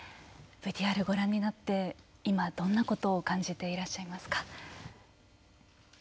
ＶＴＲをご覧になって今、どんなことを感じていらっしゃいますか。